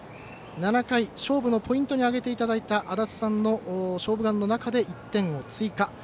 ７回、勝負のポイントに挙げていただいた足達さんの勝負眼の中で１点を追加